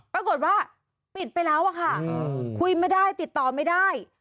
ปรากฏว่าปิดไปแล้วอะค่ะคุยไม่ได้ติดต่อไม่ได้